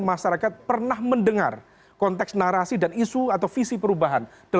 masyarakat pernah mendengar konteks narasi dan isu atau visi perubahan